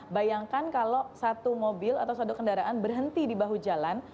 bayangkan kalau satu mobil atau satu kendaraan berhenti di bahu jalan